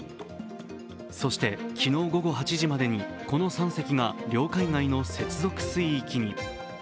そして昨日午後８時までにこの３隻が領海外の接続水域に。